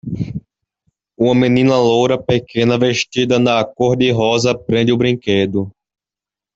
Uma menina loura pequena vestida na cor-de-rosa prende um brinquedo.